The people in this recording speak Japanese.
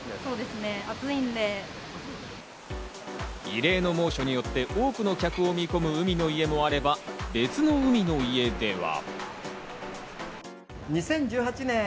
異例の猛暑によって多くの客を見込む海の家もあれば、別の海の家では。